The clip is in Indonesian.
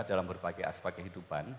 dalam berbagai aspek kehidupan